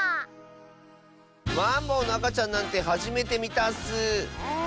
マンボウのあかちゃんなんてはじめてみたッスー。